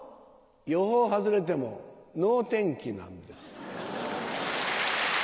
予報外れてもノー天気なんです。